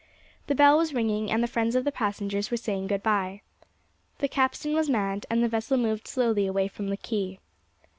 The bell was ringing, and the friends of the passengers were saying good bye. The capstan was manned, and the vessel moved slowly away from the quay.